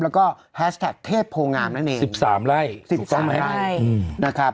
แล้วก็แฮชแท็กเทพโพงามนั่นเองสิบสามไล่สิบสามไล่อืมนะครับ